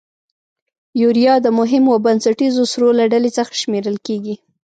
یوریا د مهمو او بنسټیزو سرو له ډلې څخه شمیرل کیږي.